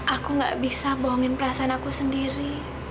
aku gak bisa bohongin perasaan aku sendiri